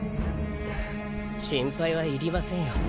心配は要りませんよ。